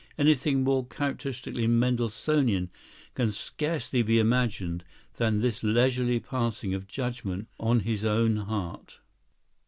Anything more characteristically Mendelssohnian can scarcely be imagined than this leisurely passing of judgment on his own heart.